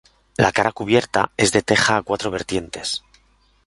La cubierta es de teja a cuatro vertientes.